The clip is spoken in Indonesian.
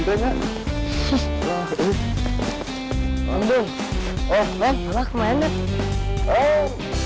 bang apa kemarin